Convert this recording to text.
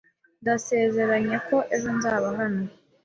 Ndasezeranye ko ejo nzaba hano.